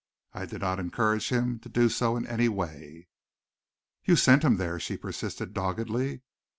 I did not encourage him to do so in any way." "You sent him there," she persisted doggedly.